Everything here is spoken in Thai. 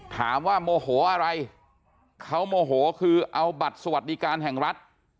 โมโหอะไรเขาโมโหคือเอาบัตรสวัสดิการแห่งรัฐ